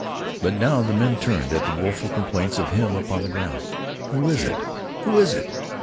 But now the men turned at the woeful complaints of him upon the ground. "Who is it? Who is it?"